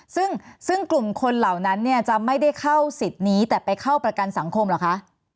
ซึ่งกลุ่มคนเหล่านั้นเนี่ยจะไม่ได้เข้าสิทธิ์นี้แต่ไปเข้าประกันสังคมเหรอคะ